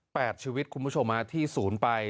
ชีวิตคุณผู้ชมฮะที่ศูนย์ไป